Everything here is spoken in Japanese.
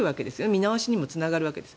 見直しにもつながるわけです。